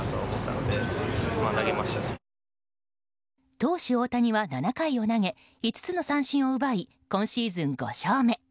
投手・大谷は７回を投げ５つの三振を奪い今シーズン５勝目。